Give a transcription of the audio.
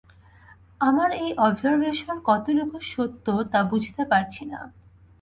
আমার এই অবজারভেশন কতটুকু সত্য তা বুঝতে পারছি না।